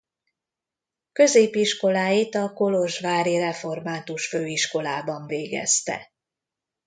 Középiskoláit a kolozsvári református főiskolában végezte.